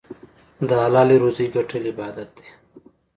د حلالې روزۍ ګټل عبادت دی.